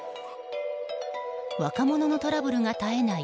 若者のトラブルが絶えない